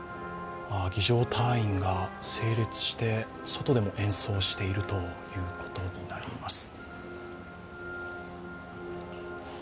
儀じょう隊員が整列して外でも演奏しているということになります。